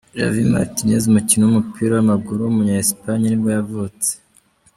Javi Martínez, umukinnyi w’umupira w’amaguru w’umunya Espagne nibwo yavutse.